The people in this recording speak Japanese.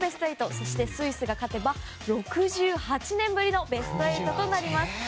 そして、スイスが勝てば６８年ぶりのベスト８となります。